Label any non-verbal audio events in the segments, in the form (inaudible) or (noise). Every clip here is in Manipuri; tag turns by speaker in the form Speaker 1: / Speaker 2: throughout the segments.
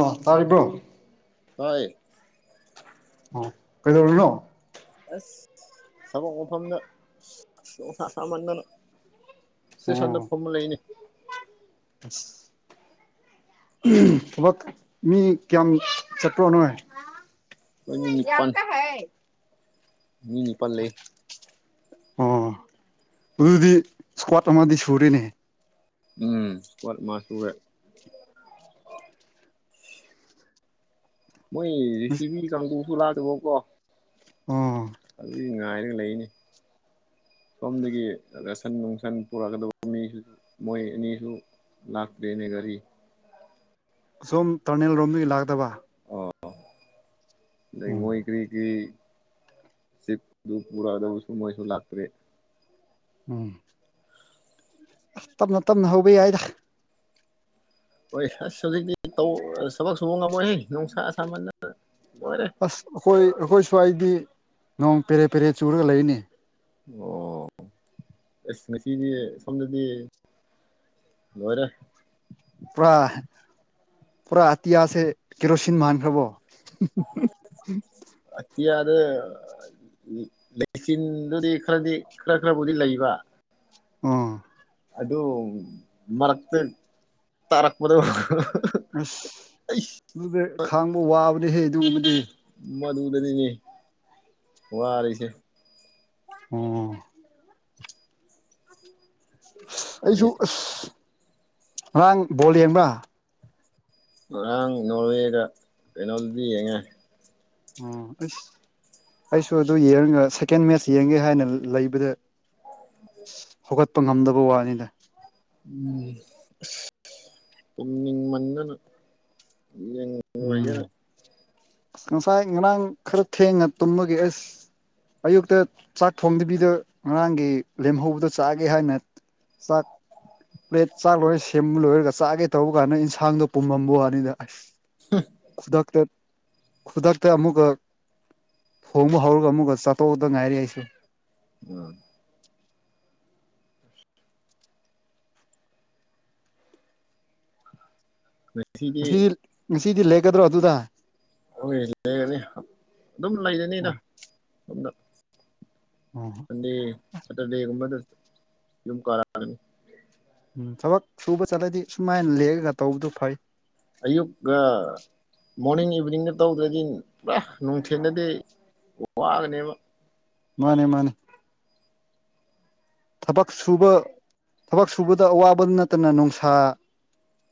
Speaker 1: ꯑꯥ ꯇꯥꯥꯔꯤꯕ꯭ꯔꯣ
Speaker 2: ꯍꯣꯏ
Speaker 1: ꯑꯣ ꯀꯩꯗꯧꯔꯤꯅꯣ
Speaker 2: ꯑꯁ ꯊꯕꯛ ꯃꯐꯝꯗ ꯁꯤꯁ ꯅꯨꯡꯁꯥ ꯁꯥꯃꯟꯗꯅ ꯁ꯭ꯇꯦꯁꯟꯗ ꯐꯝꯃ ꯂꯩꯅꯦ
Speaker 1: ꯁꯤ ꯎꯝ ꯊꯕꯛ ꯃꯤ ꯀ꯭ꯌꯥꯝ ꯆꯠꯄ꯭ꯔꯣ ꯅꯣꯢ
Speaker 2: ꯑꯩꯈꯣꯏ ꯃꯤ ꯅꯤꯄꯥꯜ
Speaker 1: ꯌꯥꯞꯀ ꯍꯥꯏ
Speaker 2: ꯃꯤ ꯅꯤꯄꯜꯂꯩ
Speaker 1: ꯑꯣ ꯑꯗꯨꯗꯤ ꯁꯀ꯭ꯋꯥꯠ ꯑꯃꯗꯤ ꯁꯨꯔꯦꯅꯦ
Speaker 2: ꯎꯝ ꯁꯀ꯭ꯋꯥꯠ ꯑꯃ ꯁꯨꯔꯦ ꯃꯣꯏ ꯔꯤ ꯁꯤꯕꯤ ꯀꯥꯡꯕꯨ ꯍꯨꯔꯥꯜꯂꯨꯋꯣꯀꯣ
Speaker 1: ꯑꯣ
Speaker 2: ꯑꯗꯨꯗꯤ ꯉꯥꯏꯔꯒ ꯂꯩꯅꯦ ꯁꯣꯝꯗꯒꯤ ꯔꯁꯟ ꯅꯨꯡꯁꯟ ꯄꯨꯔꯛꯀꯗꯕ ꯃꯤꯁꯨ ꯃꯣꯏ ꯑꯅꯤꯁꯨ ꯂꯥꯛꯇꯦꯅꯦ ꯒꯔꯤ
Speaker 1: ꯑꯁꯣꯝ ꯇꯔꯅꯦꯜ ꯔꯣꯝꯗꯒꯤ ꯂꯥꯛꯀꯗꯕ
Speaker 2: ꯑꯣ
Speaker 1: ꯎꯝ
Speaker 2: ꯂꯩꯉꯣꯏꯒ꯭ꯔꯤ ꯒꯤ ꯆꯤꯞ ꯅꯨꯡ (unintelligible) ꯃꯣꯏꯁꯨ ꯂꯥꯛꯇ꯭ꯔꯦ
Speaker 1: ꯎꯝ ꯑꯁ ꯇꯞꯅ ꯇꯞꯅ ꯍꯧꯕ ꯌꯥꯏꯗ
Speaker 2: ꯍꯣꯏ ꯑꯁ ꯍꯧꯖꯤꯛꯇꯤ ꯇꯧ ꯊꯕꯛ ꯁꯨꯕ ꯉꯝꯃꯣꯏꯍꯦ ꯅꯨꯡꯁꯥ ꯁꯥꯃꯟꯗꯅ ꯂꯣꯏꯔꯦ
Speaker 1: ꯑꯁ ꯑꯈꯣꯏ ꯑꯈꯣꯏ ꯁ꯭ꯋꯥꯏꯗꯤ ꯅꯣꯡ ꯄꯦꯔꯦ ꯄꯦꯔꯦ ꯆꯨꯔꯒ ꯂꯩꯅꯦ
Speaker 2: ꯑꯣ ꯑꯁ ꯉꯁꯤꯗꯤ ꯁꯣꯝꯗꯗꯤ ꯂꯣꯏꯔꯦ
Speaker 1: ꯄ꯭꯭ꯔꯥ ꯄꯨꯔꯥ ꯑꯇꯤꯌꯥꯥꯁꯦ ꯀꯦꯔꯣꯁꯤꯟ ꯃꯥꯟꯈ꯭ꯔꯕꯣ (unintelligible)
Speaker 2: ꯑꯇꯤꯌꯥꯗ ꯂꯩ ꯂꯩꯆꯤꯟꯗꯨꯗꯤ ꯈꯔꯗꯤ ꯈ꯭ꯔ ꯈ꯭ꯔꯕꯨꯗꯤ ꯂꯩꯕ
Speaker 1: ꯑꯣ
Speaker 2: ꯑꯗꯨ ꯃꯔꯛꯇ ꯇꯥꯔꯛꯄꯗꯣ (unintelligible)
Speaker 1: ꯑꯁ
Speaker 2: ꯑꯩ
Speaker 1: ꯑꯗꯨꯗꯦ ꯈꯥꯡꯕ ꯋꯥꯕꯅꯦꯍꯦ ꯑꯗꯨꯒꯨꯝꯕꯗꯤ
Speaker 2: ꯃꯗꯨꯗꯅꯤꯅꯦ ꯋꯥꯔꯤꯁꯦ
Speaker 1: ꯑꯣ ꯑꯁ ꯑꯩꯁꯨ ꯑꯁ ꯉꯔꯥꯡ ꯕꯣꯜ ꯌꯦꯡꯕ꯭ꯔꯥ
Speaker 2: ꯉꯔꯥꯡ ꯅꯣꯔꯋꯦꯒ ꯀꯩꯅꯣꯗꯨꯗꯤ ꯌꯦꯡꯉꯦ
Speaker 1: ꯎꯝ ꯑꯁ ꯑꯩꯁꯨ ꯑꯗꯨ ꯍꯦꯡꯉꯒ ꯁꯦꯀꯦꯟ ꯃꯦꯠꯆ ꯌꯦꯡꯒꯦ ꯍꯥꯏꯅ ꯂꯂꯩꯕꯗ ꯍꯧꯒꯠꯄ ꯉꯝꯗꯕ ꯋꯥꯅꯤꯗ
Speaker 2: ꯎꯝ ꯑꯁ ꯇꯨꯝꯅꯤꯡꯃꯟꯗꯅ (unintelligible)
Speaker 1: ꯎꯝ ꯉꯁꯥꯏ ꯉꯔꯥꯡ ꯈꯔ ꯊꯦꯡꯅ ꯇꯨꯝꯕꯒꯤ ꯑꯦꯁ ꯑꯌꯨꯛꯇ ꯆꯥꯛ ꯊꯣꯡꯗꯕꯤꯗ ꯉꯔꯥꯡꯒꯤ ꯂꯦꯝꯍꯧꯕꯗꯣ ꯆꯥꯒꯦ ꯍꯥꯏꯅ ꯆꯥꯛ ꯄ꯭ꯂꯦꯠ ꯆꯥꯛ ꯂꯣꯏ ꯁꯦꯝꯕ ꯂꯣꯏꯔꯒ ꯆꯥꯛꯒꯦ ꯇꯧꯕ ꯀꯥꯟꯗ ꯏꯟꯁꯥꯡꯗꯣ ꯄꯨꯝꯃꯝꯕ ꯋꯥꯅꯤꯗ ꯑꯁ
Speaker 2: (unintelligible)
Speaker 1: ꯈꯨꯗꯛꯇ ꯈꯨꯗꯛꯇ ꯑꯃꯨꯛꯀ ꯊꯣꯡꯕ ꯍꯧꯔꯒ ꯑꯃꯨꯛꯀ ꯆꯥꯊꯣꯛꯄꯗ ꯉꯥꯏꯔꯦ ꯑꯩꯁꯦ
Speaker 2: ꯎꯝ ꯉꯁꯤꯗꯤ
Speaker 1: ꯉꯁꯤ ꯉꯁꯤꯗꯤ ꯂꯩꯒꯗ꯭ꯔꯣ ꯑꯗꯨꯗ
Speaker 2: ꯂꯣꯏ ꯂꯩꯔꯅꯤ ꯑꯗꯨꯝ ꯂꯩꯔꯅꯤꯅ
Speaker 1: ꯑꯣ
Speaker 2: ꯁꯣꯝꯗ
Speaker 1: ꯑꯣ
Speaker 2: ꯁꯟꯗꯦ ꯁꯇꯔꯗꯦꯒꯨꯝꯕꯗ ꯌꯨꯝ ꯀꯥꯔꯅꯤ
Speaker 1: ꯎꯝ ꯊꯕꯛ ꯁꯨꯕ ꯆꯠꯂꯗꯤ ꯁꯨꯃꯥꯏꯅ ꯂꯩꯔꯒ ꯇꯧꯕꯗꯨ ꯐꯩ
Speaker 2: ꯑꯌꯨꯛꯀ ꯃꯣꯔꯅꯤꯡ ꯏꯚꯤꯅꯤꯡꯗ ꯇꯧꯗ꯭ꯔꯗꯤ ꯄꯨꯔꯥ ꯅꯨꯡꯊꯤꯟꯗꯗꯤ ꯋꯥꯒꯅꯦꯕ
Speaker 1: ꯃꯥꯅꯦ ꯃꯥꯅꯦ ꯊꯕꯛ ꯁꯨꯕ ꯊꯕꯛ ꯁꯨꯕꯗ ꯑꯋꯥꯕ ꯅꯠꯇꯅ ꯅꯨꯡꯁꯥ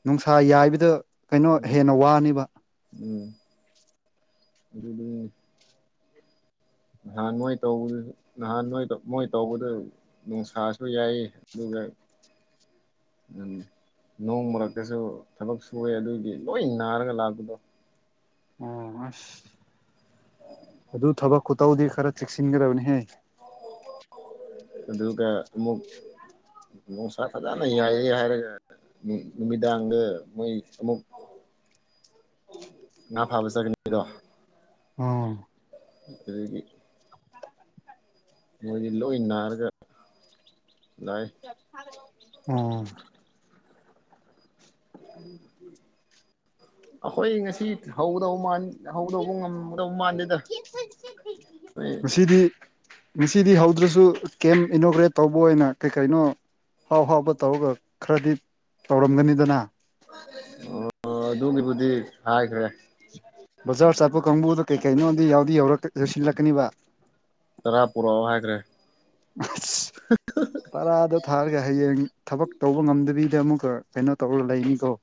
Speaker 1: ꯅꯨꯡꯁꯥ ꯌꯥꯏꯕꯗ ꯀꯩꯅꯣ
Speaker 2: ꯎꯝ
Speaker 1: ꯍꯦꯟꯅ ꯋꯥꯅꯤꯕ
Speaker 2: ꯎꯝ ꯅꯍꯥꯟ ꯅꯣꯏ ꯇꯧꯕꯗꯨ ꯅꯍꯥꯟ ꯅꯣꯏ ꯃꯣꯏ ꯇꯧꯕꯗ ꯅꯨꯡꯁꯥꯁꯨ ꯌꯥꯏ ꯑꯗꯨꯒ ꯎꯝ ꯅꯣꯡ ꯃꯔꯛꯇꯁꯨ ꯊꯕꯛ ꯁꯨꯑꯦ ꯑꯗꯨꯏꯒꯤ ꯂꯣꯏ ꯅꯥꯔꯒ ꯂꯥꯛꯄꯗꯣ
Speaker 1: ꯑꯣ ꯑꯁ ꯑꯗꯨ ꯊꯕꯛ ꯈꯨꯇꯧꯗꯤ ꯈꯔ ꯆꯦꯛꯁꯤꯟꯒꯗꯕꯅꯤꯍꯦ
Speaker 2: ꯑꯗꯨꯒ ꯑꯃꯨꯛ ꯅꯨꯡꯁꯥ ꯐꯖꯅ ꯌꯥꯏꯔꯦ ꯍꯥꯏꯔꯒ ꯅꯨꯃꯤꯗꯥꯡꯗ ꯃꯣꯏ ꯑꯃꯨꯛ ꯉꯥ ꯐꯥꯕ ꯆꯠꯒꯅꯤꯗꯣ
Speaker 1: ꯎꯝ
Speaker 2: ꯑꯗꯨꯒꯤ ꯃꯣꯏꯗꯤ ꯂꯣꯏ ꯅꯥꯔꯒ ꯂꯑꯦ
Speaker 1: ꯑꯣ
Speaker 2: ꯑꯩꯈꯣꯏ ꯉꯁꯤ ꯍꯧꯗꯧ ꯃꯥꯥꯟ ꯍꯧꯗꯧꯕ ꯉꯝꯗꯧ ꯃꯥꯟꯗꯦꯗ ꯑꯈꯣꯏ
Speaker 1: (unintelligible) ꯉꯁꯤꯗꯤ ꯍꯧꯗ꯭ꯔꯁꯨ ꯀꯦꯝ ꯏꯅꯣꯒ꯭ꯔꯦꯠ ꯇꯧꯕ ꯑꯣꯏꯅ ꯀꯩ ꯀꯩꯅꯣ ꯍꯥꯎ ꯍꯥꯎꯕ ꯇꯧꯔꯒ ꯈꯔꯗꯤ ꯇꯧꯔꯝꯒꯅꯤꯗꯅ
Speaker 2: ꯑꯣ ꯑꯗꯨꯒꯤꯕꯨꯗꯤ ꯍꯥꯏꯈ꯭ꯔꯦ
Speaker 1: ꯕꯖꯥꯔ ꯆꯠꯄ ꯀꯥꯡꯕꯨꯗꯣ ꯀꯩꯀꯩꯅꯣꯗꯤ ꯌꯥꯎꯗꯤ ꯌꯧꯔꯛ ꯌꯧꯁꯤꯜꯂꯛꯀꯅꯤꯕ
Speaker 2: ꯇꯔꯥ ꯄꯨꯔꯛꯑꯣ ꯍꯥꯏꯈ꯭ꯔꯦ (unintelligible)
Speaker 1: ꯇꯔꯥꯗꯣ ꯊꯥꯔꯒ ꯍꯌꯦꯡ ꯊꯕꯛ ꯇꯧꯕ ꯉꯝꯗꯕꯤꯗ ꯑꯃꯨꯛꯀ ꯀꯩꯅꯣ ꯇꯧꯔꯒ ꯂꯩꯅꯤꯀꯣ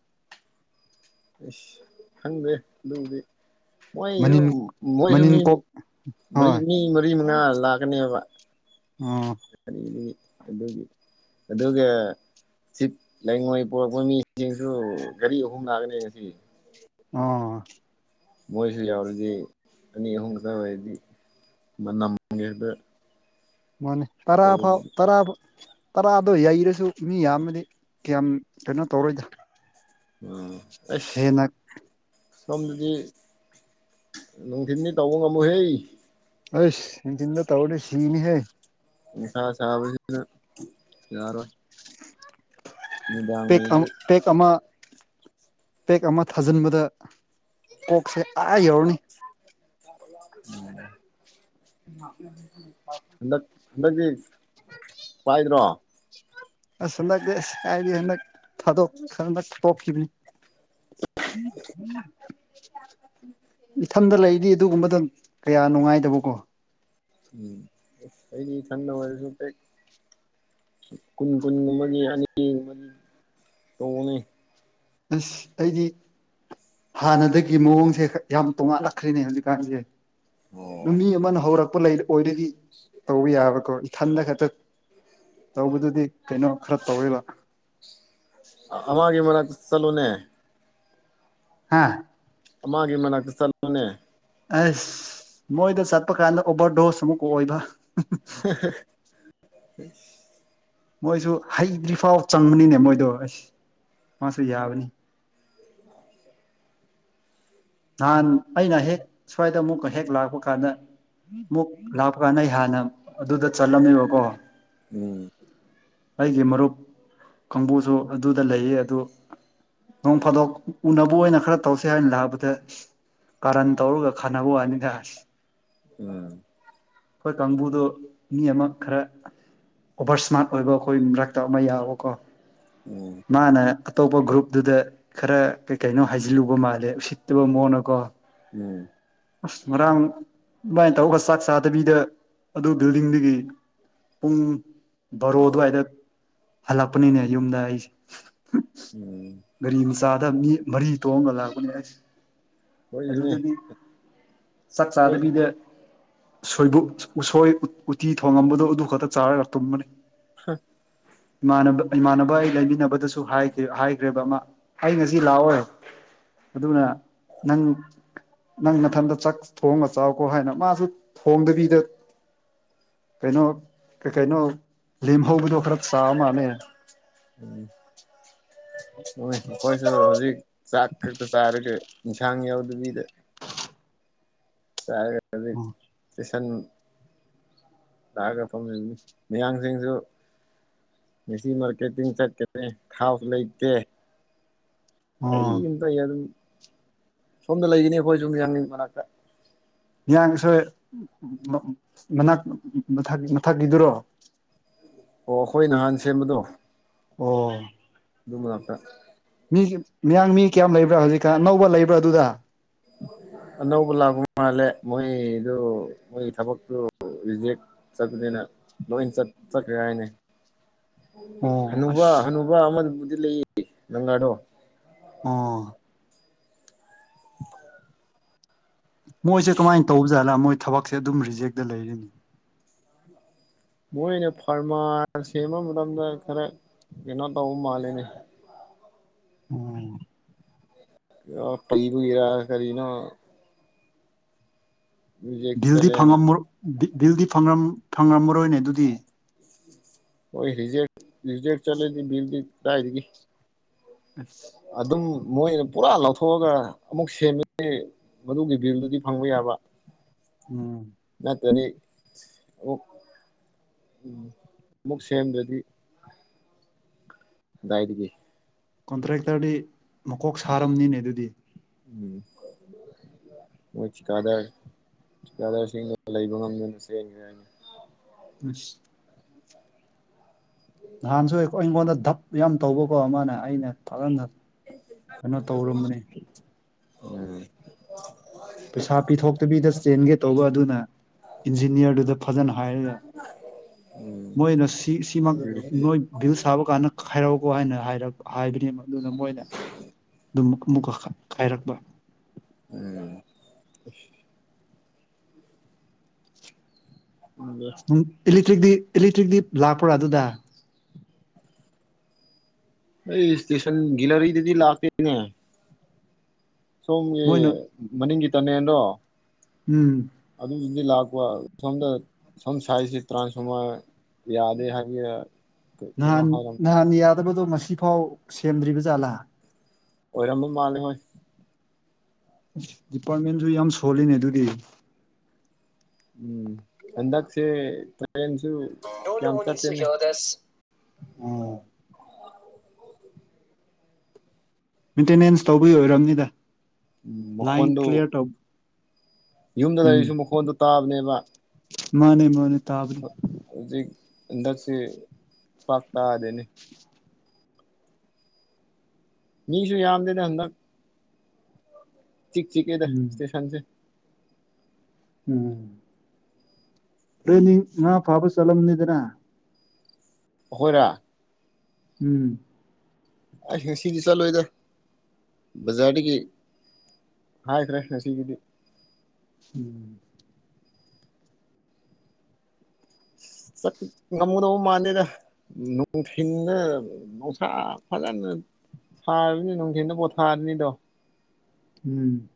Speaker 2: ꯑꯁ ꯈꯪꯗꯦ ꯑꯗꯨꯗꯤ ꯃꯣꯏꯁꯨ
Speaker 1: ꯃꯅꯤꯟ
Speaker 2: ꯃꯣꯏꯁꯨ ꯃꯤ
Speaker 1: ꯃꯅꯤꯟ ꯀꯣꯛ ꯍꯣꯏ
Speaker 2: ꯃꯤ ꯃꯔꯤ ꯃꯉꯥ ꯂꯥꯛꯀꯅꯦꯕ
Speaker 1: ꯎꯝ
Speaker 2: ꯑꯗꯨꯒ ꯁꯤꯠ ꯂꯩꯉꯣꯏ ꯄꯣꯔꯛꯄ ꯃꯤꯁꯤꯡꯁꯨ ꯒꯥꯔꯤ ꯑꯍꯨꯝ ꯂꯥꯛꯀꯅꯤ ꯉꯁꯤ
Speaker 1: ꯑꯣ
Speaker 2: ꯃꯣꯏꯁꯨ ꯌꯥꯎꯔꯤꯗꯤ ꯑꯅꯤ ꯑꯍꯨꯝ ꯈꯛꯇ ꯑꯣꯏꯔꯗꯤ ꯃꯅꯝꯒꯦꯗ
Speaker 1: ꯃꯥꯅꯦ ꯇꯔꯥ ꯐꯥꯎ ꯇꯔꯥ ꯇꯔꯥꯗꯣ ꯌꯩꯔꯁꯨ ꯃꯤ ꯌꯥꯝꯃꯗꯤ ꯀꯌꯥꯝ ꯀꯩꯅꯣ ꯇꯧꯔꯣꯏꯗ꯫
Speaker 2: ꯑꯩꯁ꯫
Speaker 1: ꯍꯦꯟꯅ
Speaker 2: ꯁꫭꯝꯗꯗꯤ ꯅꯨꯡꯊꯤꯟꯗꯤ ꯇꯧꯕ ꯉꯝꯑꫭꯏꯍꯦ꯫
Speaker 1: ꯑꯩꯁ ꯅꯨꯡꯊꯤꯟꯗ ꯇꯧꯔꯗꯤ ꯁꯤꯅꯤ ꯍꯦ꯫
Speaker 2: ꯅꯩꯡꯁꯥ ꯁꯥꯕꯁꯤꯅ ꯌꯥꯔꫭꯏ꯫
Speaker 1: ꯄꯦꯛ ꯑ
Speaker 2: ꯑꯣꯏꯔꯗꯤ
Speaker 1: ꯄꯦꯛ ꯑꯃ ꯄꯦꯛ ꯑꯃ ꯊꯥꯖꯤꯟꯕꯗ꯫ ꯀꫭꯛꯁꯦ ꯑꯥ ꯌꯧꯔꯅꯤ꯫
Speaker 2: (inaudible) ꯍꯟꯗꯛ ꯍꯟꯗꯛꯇꯤ ꯄꯥꯏꯗ꯭ꯔꯣ꯫
Speaker 1: ꯑꯁꯨ ꯍꯟꯗꯛꯇꯤ ꯀꯥꯏꯗꯒꯤ ꯍꯟꯗꯛ ꯊꯥꯗꯣꯛ ꯈꯔ ꯇꯣꯛꯈꯤꯕꯅꯤ꯫ (unintelligible) ꯏꯊꯝꯗ ꯂꯩꯔꯗꯤ ꯑꯗꯨꯒꯨꯝꯕꯗꯪ ꯀꯌꯥ ꯅꯨꯡꯉꯥꯏꯗꯕꯀꯣ꯫
Speaker 2: ꯎꯝ ꯑꯩꯗꯤ ꯊꯟꯗ ꯑꯣꯏꯔꯁꯨ ꯄꯦꯛ ꯀꯨꯟ ꯀꯨꯟꯒꯨꯝꯕꯒꯤ ꯑꯅꯤꯒꯨꯝꯕꯗꯤ ꯇꯣꯡꯉꯅꯤ꯫
Speaker 1: ꯑꯁ ꯑꯩꯗꯤ ꯍꯥꯟꯅꯗꯒꯤ ꯃꯑꯣꯡꯁꯦ ꯌꯥꯝ ꯇꯣꯉꯜꯂꯛꯈ꯭ꯔꯦꯅꯦ ꯍꯧꯖꯤꯛꯀꯥꯟꯁꯦ꯫
Speaker 2: ꯑꯣ
Speaker 1: ꯅꯨꯃꯤ ꯑꯃꯅ ꯍꯧꯔꯛꯄ ꯂꯩ ꯑꯣꯏꯔꯗꯤ꯫ ꯇꯧꯕ ꯌꯥꯕꯀꯣ ꯏꯊꯟꯗ ꯈꯛꯇ ꯇꯧꯕꯗꯨꯗꯤ ꯀꯩꯅꯣ ꯈꯔ ꯇꯧꯋꯦꯕ꯫
Speaker 2: ꯑꯃꯒꯤ ꯃꯅꯥꯛꯇ ꯆꯠꯂꫭꯅꯦ꯫
Speaker 1: ꯍꯥꯥ꯫
Speaker 2: ꯑꯃꯥꯒꯤ ꯃꯅꯥꯛꯇ ꯆꯠꯂꫭꯅꯦ꯫
Speaker 1: ꯑꯁ ꯃꯣꯏꯗ ꯆꯠꯄ ꯀꯥꯟꯗ ꯑꯣꯚꯔꯗꯣꯁ ꯑꯃꯨꯛꯀ ꯑꯣꯏꯕ (unintelligible)
Speaker 2: (unintelligible)
Speaker 1: ꯃꯣꯏꯁꯨ ꯍꯩꯗ꯭ꯔꯤꯐꯥꯎ ꯆꯪꯕꯅꯤꯅꯦ ꯃꯣꯏꯗꯣ ꯑꯁ ꯃꯥꯁꯨ ꯌꯥꯕꯅꯤ꯫
Speaker 2: (inaudible)
Speaker 1: ꯅꯍꯥꯟ ꯑꯩꯅ ꯍꯦꯛ ꯁ꯭ꯋꯥꯏꯗ ꯑꯃꯨꯛꯀ ꯍꯦꯛ ꯂꯥꯛꯄ ꯀꯥꯟꯗ꯫ ꯑꯃꯨꯛ ꯂꯥꯛꯄꯀꯥꯟꯗ ꯑꯩ ꯍꯥꯟꯅ ꯑꯗꯨꯗ ꯆꯠꯂꯝꯃꯦꯕꯀꯣ꯫
Speaker 2: ꯎꯝ
Speaker 1: ꯑꯩꯒꯤ ꯃꯔꯨꯞ ꯀꯥꯡꯕꯨꯁꯨ ꯑꯗꯨꯗ ꯂꯩꯌꯦ ꯑꯗꯨ ꯅꯣꯡ ꯐꯥꯗꯣꯛ ꯎꯅꯕ ꯑꯣꯏꯅ ꯈꯔ ꯇꯧꯁꯦ ꯍꯥꯏꯅ ꯂꯥꯛꯕꯗ꯫ ꯀꯥꯔꯟ ꯇꯧꯔꯒ ꯈꯠꯅꯕ ꯋꯥꯅꯤꯗ꯫
Speaker 2: ꯎꯝ
Speaker 1: ꯍꯣꯏ ꯀꯥꯡꯕꯨꯗꯣ ꯃꯤ ꯑꯃ ꯈꯔ ꯑꯣꯚꯔ ꯏꯁ꯭ꯃꯥꯔꯠ ꯑꯣꯏꯕ ꯑꯩꯈꯣꯏ ꯃꯔꯛꯇ ꯑꯃ ꯌꯥꯎꯕꯀꯣ꯫
Speaker 2: ꯎꯝ
Speaker 1: ꯃꯥꯅ ꯑꯇꯣꯞꯄ ꯒ꯭ꯔꯨꯞꯇꯨꯗ ꯈꯔ ꯀꯩ ꯀꯩꯅꯣ ꯍꯥꯏꯖꯤꯜꯂꯨꯕ ꯃꯥꯜꯂꯦ ꯎꯁꯤꯠꯇꯕ ꯃꯑꯣꯡꯅꯀꯣ꯫
Speaker 2: ꯎꯝ
Speaker 1: ꯑꯁ ꯉꯔꯥꯡ ꯕꯥꯏꯅ ꯇꯧꯒ ꯆꯥꯛ ꯆꯥ ꯗꯕꯤꯗ ꯑꯗꯨ ꯕꯤꯜꯗꯤꯡꯗꯒꯤ ꯄꯨꯡ ꯕꯥꯔꯣ ꯑꯗꯨꯋꯥꯏꯗ ꯍꯜꯂꯛꯄꯅꯤꯅꯦ ꯌꯨꯝꯗ ꯑꯩꯁꯦ (unintelligible)
Speaker 2: ꯎꯝ
Speaker 1: ꯒꯥꯔꯤ ꯃꯆꯥꯗ ꯃꯤ ꯃꯔꯤ ꯇꯣꯛꯑꯝꯒ ꯂꯥꯛꯄꯅꯦ ꯑꯁ
Speaker 2: ꯍꯣꯏꯁꯨꯅꯦ
Speaker 1: ꯑꯗꯨꯗꯗꯤ ꯆꯛ
Speaker 2: ꯍꯣꯏ
Speaker 1: ꯆꯥꯗꯕꯤꯗ ꯁꯣꯏꯕꯨꯝ ꯎꯁꯣꯏ ꯎꯇꯤ ꯊꯣꯡꯉꯝꯕꯗꯨ ꯑꯗꯨ ꯈꯛꯇ ꯆꯥꯔꯒ ꯇꯨꯝꯕꯅꯤ
Speaker 2: ꯍ (inaudible)
Speaker 1: ꯏꯃꯥꯟꯅꯕ ꯏꯃꯥꯟꯅꯕ ꯑꯩ ꯂꯩꯃꯤꯟꯅꯕꯗꯁꯨ ꯍꯥꯏꯈ꯭ꯔꯦꯕ ꯑꯃ ꯑꯩ ꯉꯁꯤ ꯂꯥꯛꯑꯣꯏ ꯑꯗꯨꯅ ꯅꯪ ꯅꯪ ꯅꯊꯟꯇ ꯆꯥꯛ ꯊꯣꯡꯉ ꯆꯥꯎꯀꯣ ꯍꯥꯏꯅ ꯃꯥꯁꯨ ꯊꯣꯡꯗꯔꯤꯗ ꯀꯩꯅꯣ ꯀꯩ ꯀꯩꯅꯣ ꯂꯦꯝꯍꯧꯕꯗꯣ ꯈꯔ ꯆꯥꯕ ꯃꯥꯥꯜꯂꯦ
Speaker 2: ꯎꯝ ꯍꯣꯏ ꯑꯩꯈꯣꯏꯁꯨ ꯍꯧꯖꯤꯛ ꯆꯥꯛ ꯈꯛꯇ ꯆꯥꯔꯒ ꯏꯟꯁꯥꯡ ꯌꯥꯎꯗꯕꯤꯗ ꯆꯥꯔꯒꯗꯤ
Speaker 1: ꯑꯣ
Speaker 2: ꯏꯁꯁꯟ ꯂꯥꯛꯑꯒ ꯐꯝꯖꯅꯤ ꯃꯤꯌꯥꯡꯁꯤꯡꯁꯨ ꯉꯁꯤ ꯃꯥꯔꯀꯦꯇꯤꯡ ꯆꯠꯀꯅꯤ ꯊꯥꯎ ꯂꯩꯇꯦ ꯑꯩ
Speaker 1: ꯑꯣ
Speaker 2: ꯑꯃꯝꯇꯌꯦ ꯁꯣꯝꯗ ꯂꯩꯒꯅꯤ ꯑꯩꯈꯣꯏ ꯌꯦꯖꯨꯝꯌꯥꯡꯒꯤ ꯃꯅꯥꯛꯇ
Speaker 1: ꯃꯤꯌꯥꯡ ꯑꯁꯣꯏ ꯃꯅꯥꯛ ꯃꯊꯛꯀꯤꯗꯨꯔꯣ
Speaker 2: ꯑꯣ ꯑꯩꯈꯣꯏ ꯅꯍꯥꯟ ꯁꯦꯝꯕꯗꯣ
Speaker 1: ꯑꯣ
Speaker 2: ꯑꯗꯨ ꯃꯅꯥꯛꯇ
Speaker 1: ꯃꯤ ꯃꯤꯌꯥꯡ ꯃꯤ ꯀꯌꯥꯝ ꯂꯩꯕ꯭ꯔꯥ ꯍꯧꯖꯤꯛꯀꯥꯟ ꯑꯅꯧꯕ ꯂꯩꯕ꯭ꯔꯥ ꯑꯗꯨꯗ
Speaker 2: ꯑꯅꯧꯕ ꯂꯥꯛ ꯃꯥꯜꯂꯦ ꯃꯣꯏꯗꯨ ꯃꯣꯏ ꯊꯕꯛꯇꯨ ꯔꯤꯖꯦꯛ ꯆꯠꯄꯅꯤꯅ ꯂꯣꯏꯅ ꯆꯠꯈ꯭ꯔꯦ ꯍꯥꯏꯅꯦ
Speaker 1: ꯑꯣ
Speaker 2: ꯍꯅꯨꯕ
Speaker 1: ꯑꯁ
Speaker 2: ꯍꯅꯨꯕ ꯑꯃꯕꯨꯗꯤ ꯂꯩ ꯅꯪꯒꯥꯗꯣ
Speaker 1: ꯑꯣ ꯃꯣꯏꯁꯦ ꯀꯃꯥꯏꯅ ꯇꯧꯕꯖꯥꯠꯂ ꯃꯣꯏ ꯊꯕꯛꯁꯦ ꯑꯗꯨꯝ ꯔꯤꯖꯦꯛꯇ ꯂꯩꯔꯦꯅꯦ
Speaker 2: ꯃꯣꯏꯅ ꯐꯥꯔꯃꯔ ꯁꯦꯝꯕ ꯃꯇꯝꯗ ꯈꯔ ꯀꯩꯅꯣ ꯇꯧꯕ ꯃꯥꯜꯂꯦꯅꯦ
Speaker 1: ꯎꯝ
Speaker 2: ꯄꯩꯕꯒꯤꯔ ꯀꯔꯤꯅ ꯔꯤꯖꯦꯛ
Speaker 1: ꯕꯤꯜꯗꯤ
Speaker 2: ꯆꯠꯂꯦꯅ
Speaker 1: ꯐꯪꯉꯝ ꯕꯤꯜꯗꯤ ꯐꯪꯉꯝꯃꯔꯣꯏꯅꯦ ꯑꯗꯨꯗꯤ
Speaker 2: ꯍꯣꯏ ꯔꯤꯖꯦꯛ ꯔꯤꯖꯦꯛ ꯆꯠꯂꯗꯤ ꯕꯤꯜꯗꯤ ꯀꯗꯥꯏꯗꯒꯤ
Speaker 1: ꯑꯁ
Speaker 2: ꯑꯗꯨꯝ ꯃꯣꯏꯅ ꯄꯨꯔꯥ ꯂꯧꯊꯣꯛꯑꯒ ꯑꯃꯨꯛ ꯁꯦꯝꯃꯗꯤ ꯃꯗꯨꯒꯤ ꯕꯤꯜꯗꯨꯗꯤ ꯐꯪꯕ ꯌꯥꯕ
Speaker 1: ꯎꯝ
Speaker 2: ꯅꯠꯇꯗꯤ ꯑꯃꯨꯛ ꯑꯃꯨꯛ ꯁꯦꯝꯗ꯭ꯔꯗꯤ ꯀꯗꯥꯏꯗꯒꯤ
Speaker 1: ꯀꯣꯟꯇ꯭ꯔꯦꯛꯇꯔꯗꯤ ꯃꯀꯣꯛ ꯁꯥꯔꯝꯅꯤꯅꯦ ꯑꯗꯨꯗꯤ
Speaker 2: ꯎꯝ ꯃꯣꯏ ꯊꯤꯀꯥꯗꯥꯔ ꯊꯤꯀꯗꯥꯔꯁꯤꯡꯗꯨ ꯂꯩꯕ ꯉꯝꯗꯅ ꯆꯦꯟꯈ꯭ꯔꯦ ꯍꯥꯏꯅꯦ
Speaker 1: ꯑꯁ ꯅꯍꯥꯟꯁꯨ ꯑꯩꯉꯣꯟꯗ ꯙꯞ ꯌꯥꯝ ꯇꯧꯕꯀꯣ ꯃꯥꯅ ꯑꯩꯅ ꯊꯥꯛꯍꯟꯅ ꯀꯩꯅꯣ ꯇꯧꯔꯝꯕꯅꯦ
Speaker 2: ꯑꯥ
Speaker 1: ꯄꯩꯁꯥ ꯄꯤꯊꯣꯛꯇꯕꯤꯗ ꯆꯦꯟꯒꯦ ꯇꯧꯕ ꯑꯗꯨꯅ ꯏꯟꯖꯤꯅꯤꯌꯔꯗꯨꯗ ꯐꯖꯅ ꯍꯥꯏꯔꯒ
Speaker 2: ꯎꯝ
Speaker 1: ꯃꯣꯏꯅ ꯁꯤ ꯁꯤꯃꯛ ꯅꯣꯏ ꯕꯤꯜ ꯁꯥꯕ ꯀꯥꯟꯗ ꯈꯥꯏꯔꯛꯎꯀꯣ ꯍꯥꯏꯅ ꯍꯥꯏꯕꯅꯦ ꯑꯗꯨꯒ ꯃꯣꯏꯅ ꯑꯗꯨꯝ ꯑꯃꯨꯛꯀ ꯀꯥꯏꯔꯛꯄ
Speaker 2: ꯎꯝ (unintelligible)
Speaker 1: ꯏꯂꯦꯛꯇ꯭ꯔꯤꯛꯇꯤ ꯏꯂꯦꯛꯇ꯭ꯔꯤꯛꯇꯤ ꯂꯥꯛꯄ꯭ꯔꯥ ꯑꯗꯨꯗ
Speaker 2: ꯑꯩ ꯏꯁꯇꯦꯁꯟ ꯒꯦꯂꯔꯤꯗꯗꯤ ꯂꯥꯛꯇꯦꯅꯦ ꯁꯣꯝꯒꯤ
Speaker 1: ꯃꯣꯏꯅ
Speaker 2: ꯃꯅꯤꯡꯒꯤ ꯇꯟꯅꯦꯟꯗꯣ
Speaker 1: ꯎꯝ
Speaker 2: ꯑꯗꯨꯒꯤꯗꯤ ꯂꯥꯛꯄ ꯁꯣꯝꯗ ꯁꯣꯝ ꯁꯥꯏꯁꯤ ꯇ꯭ꯔꯥꯟꯁꯐꯣꯃꯔ ꯌꯥꯗꯦ ꯍꯥꯏꯒꯦꯔ
Speaker 1: ꯅꯍꯥꯟ ꯅꯍꯥꯟ ꯌꯥꯗꯕꯗꯣ ꯉꯁꯤꯐꯥꯎ ꯁꯦꯝꯗ꯭ꯔꯤꯕ ꯖꯥꯠꯂꯥ
Speaker 2: ꯑꯣꯏꯔꯝꯕ ꯃꯥꯜꯂꯦ ꯍꯣꯏ
Speaker 1: ꯗꯤꯄꯥꯔꯠꯃꯦꯟꯁꯨ ꯌꯥꯝ ꯁꯣꯜꯂꯤꯅꯦ ꯑꯗꯨꯗꯤ
Speaker 2: ꯎꯝ ꯍꯟꯗꯛꯁꯦ (unintelligible) ꯀꯌꯥꯝ ꯆꯠꯇꯦꯅꯦ
Speaker 1: (unintelligible) ꯑꯣ
Speaker 2: (unintelligible)
Speaker 1: ꯃꯦꯟꯇꯦꯅꯦꯟꯁ ꯇꯧꯕꯒꯤ ꯑꯣꯏꯔꯝꯅꯤꯗ
Speaker 2: ꯎꯝ
Speaker 1: ꯂꯥꯏꯟ
Speaker 2: ꯃꯈꯣꯟꯗꯣ
Speaker 1: ꯀ꯭ꯂꯤꯌꯥꯔ ꯇꯧ
Speaker 2: ꯌꯨꯝꯗ
Speaker 1: ꯎꯝ
Speaker 2: ꯂꯩꯔꯁꯨ ꯃꯈꯣꯟꯗꯣ ꯇꯥꯕꯅꯦꯕ
Speaker 1: ꯃꯥꯅꯦ ꯃꯥꯅꯦ ꯇꯥꯕꯠ
Speaker 2: ꯍꯧꯖꯤꯛ ꯍꯟꯗꯛꯁꯤ ꯄꯥꯛ ꯇꯗꯦꯅꯦ ꯃꯤꯁꯨ ꯌꯥꯝꯗꯦꯗ ꯍꯟꯗꯛ ꯆꯤꯛ ꯆꯤꯛꯑꯦꯗ
Speaker 1: ꯎꯝ
Speaker 2: ꯏꯁꯇꯦꯁꯟꯁꯦ
Speaker 1: ꯎꯝ (unintelligible) ꯉꯥ ꯐꯥꯕ ꯆꯠꯂꯝꯅꯤꯗꯅ
Speaker 2: ꯑꯈꯣꯏꯔ
Speaker 1: ꯎꯝ
Speaker 2: ꯑꯩ ꯉꯁꯤꯒꯤ ꯆꯂꯣꯏꯗ ꯕꯖꯥꯔꯗꯒꯤ ꯍꯥꯏꯈ꯭ꯔꯦ ꯉꯁꯤꯒꯤꯗꯤ
Speaker 1: ꯎꯝ
Speaker 2: (unintelligible) ꯉꯝꯒꯗꯧꯕ ꯃꯥꯥꯟꯗꯦꯗ ꯅꯣꯡꯁꯤꯡꯅ ꯃꯨꯡꯁꯥ ꯐꯖꯅ ꯁꯥꯔꯕꯅꯤꯅ ꯅꯨꯡꯊꯤꯟꯗ ꯄꯣ ꯊꯥꯔꯅꯤꯗꯣ
Speaker 1: ꯎꯝ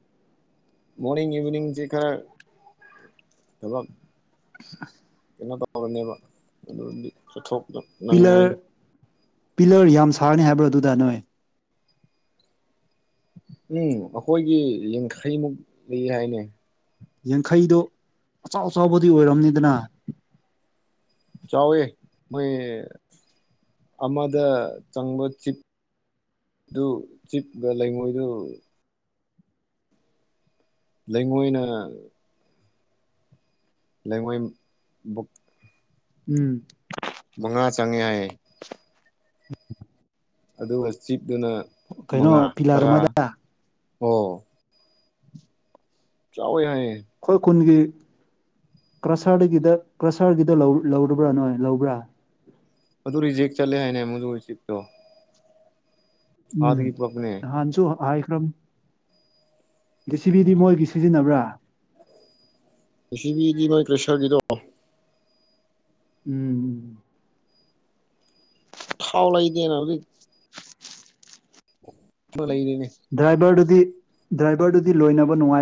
Speaker 2: ꯃꯣꯔꯅꯤꯡ ꯏꯚꯤꯅꯤꯡꯁꯤ ꯈꯔ ꯊꯕꯛ
Speaker 1: (unintelligible)
Speaker 2: ꯀꯩꯅꯣ ꯇꯧꯕꯅꯦꯕ ꯑꯗꯨꯗꯤ ꯆꯠꯊꯣꯛ
Speaker 1: ꯄꯤꯂꯔ ꯄꯤꯂꯔ ꯌꯥꯝ ꯁꯥꯔꯅꯤ ꯍꯥꯏꯕꯣ ꯑꯗꯨꯗ ꯅꯣꯏ
Speaker 2: ꯎꯝ ꯑꯩꯈꯣꯏꯒꯤ ꯌꯥꯡꯈꯩꯃꯨꯛ ꯂꯩ ꯍꯥꯏꯅꯦ
Speaker 1: ꯌꯥꯡꯈꯩꯗꯣ ꯑꯆꯥꯎ ꯑꯆꯥꯎꯕꯗꯤ ꯑꯣꯏꯔꯝꯅꯤꯗꯅ
Speaker 2: ꯆꯥꯎꯋꯦ ꯃꯣꯏ ꯑꯃꯗ ꯆꯪꯕ ꯆꯤꯞ ꯑꯗꯨ ꯆꯤꯞ ꯒꯥ ꯂꯩꯉꯣꯏꯗꯨ ꯂꯩꯉꯣꯏꯅ ꯂꯩꯉꯣꯏ ꯕꯨꯛ
Speaker 1: ꯎꯝ
Speaker 2: ꯃꯉꯥ ꯆꯪꯉꯦ ꯍꯥꯏ ꯑꯗꯨꯒ ꯆꯤꯞꯇꯅ
Speaker 1: ꯀꯩꯅꯣ
Speaker 2: ꯃꯉꯥ
Speaker 1: ꯄꯤꯂꯔ
Speaker 2: ꯇꯔꯥ
Speaker 1: ꯑꯃꯗ
Speaker 2: ꯑꯣ ꯆꯥꯎꯋꯦ ꯍꯥꯏꯌꯦ
Speaker 1: ꯈꯣꯏ ꯈꯨꯟꯒꯤ ꯀ꯭ꯔꯁꯥꯔꯗꯒꯤꯗ ꯀ꯭ꯔꯁꯥꯔꯒꯤꯗ ꯂꯧꯔꯕ꯭ꯔꯥ ꯅꯣꯏ ꯂꯧꯕ꯭ꯔꯥ
Speaker 2: ꯑꯗꯨ ꯔꯤꯖꯦꯛ ꯆꯠꯂꯦ ꯍꯥꯏꯅꯦ ꯃꯗꯨ (unintelligible)
Speaker 1: ꯎꯝ
Speaker 2: ꯑꯥꯗꯒꯤ ꯄꯨꯔꯛꯄꯅꯦ
Speaker 1: ꯅꯍꯥꯟꯁꯨꯨ ꯍꯥꯏꯈ꯭ꯔꯝ ꯗꯤꯁꯤꯕꯤꯗꯤ ꯃꯣꯏꯒꯤ ꯁꯤꯖꯤꯟꯅꯕ꯭ꯔꯥ
Speaker 2: ꯗꯤꯁꯤꯕꯤꯗꯤ ꯃꯣꯏ ꯀ꯭ꯔꯦꯁꯔꯒꯤꯗꯣ
Speaker 1: ꯎꯝ
Speaker 2: ꯊꯥꯎ ꯂꯩꯗꯦꯅ ꯍꯧꯖꯤꯛ ꯂꯩꯔꯤꯅꯦ
Speaker 1: ꯗ꯭ꯔꯥꯏꯚꯔꯗꯨꯗꯤ ꯗ꯭ꯔꯥꯏꯚꯔꯗꯨꯗꯤ ꯂꯣꯏꯅꯕ ꯅꯨꯡꯉꯥꯏ